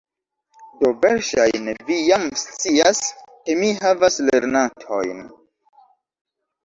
Do, verŝajne vi jam scias, ke mi havas lernantojn